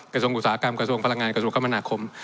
กระทรวงอุตสาหกรรมกระทรวงพลังงานกระทรวงคมนาคม